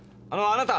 あなた！